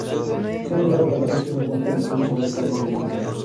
Fue nombrado Guardabosques Adjunto en el Servicio Forestal de Myanmar.